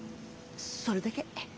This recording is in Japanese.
それだけ。